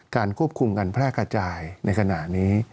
ควบคุมการแพร่กระจายในขณะนี้